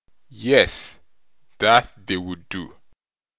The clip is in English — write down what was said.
Yes, that they would do.